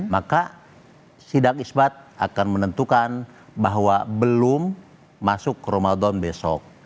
maka sidang isbat akan menentukan bahwa belum masuk ramadan besok